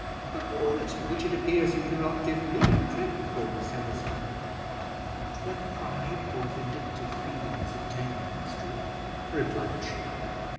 "A quality which it appears you do not give me credit for, Miss Heatherstone." "Not when pride or vindictive feelings obtain the mastery," replied she.